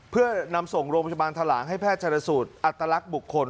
เพื่อนำส่งโรงพยาบาลถ่าหลานให้แพทย์จรสูตรอัตตรรักบุคคล